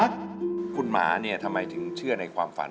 แล้วคุณหมาเนี่ยทำไมถึงเชื่อในความฝัน